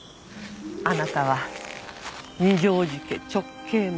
あなたは二条路家直系の孫です。